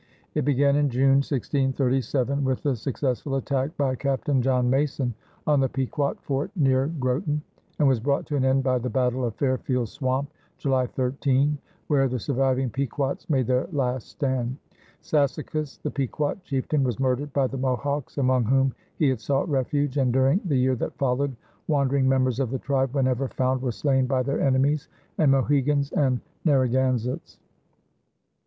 It began in June, 1637, with the successful attack by Captain John Mason on the Pequot fort near Groton, and was brought to an end by the battle of Fairfield Swamp, July 13, where the surviving Pequots made their last stand. Sassacus, the Pequot chieftain, was murdered by the Mohawks, among whom he had sought refuge; and during the year that followed wandering members of the tribe, whenever found, were slain by their enemies, the Mohegans and Narragansetts.